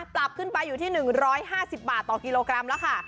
ปรับขึ้นไปอยู่ที่๑๕๐บาทต่อกิโลกรัมแล้วค่ะ